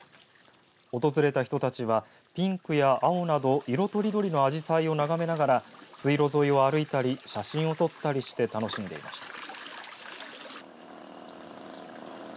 訪れた人たちはピンクや青など色とりどりのアジサイを眺めながら水路沿いを歩いたり写真を撮ったりして楽しんでいました。